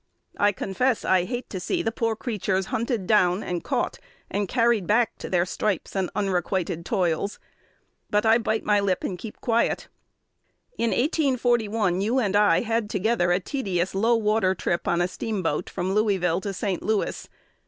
I confess I hate to see the poor creatures hunted down, and caught and carried back to their stripes and unrequited toils; but I bite my lip, and keep quiet. In 1841 you and I had together a tedious low water trip on a steamboat from Louisville to St. Louis.